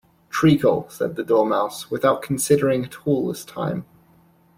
‘Treacle,’ said the Dormouse, without considering at all this time.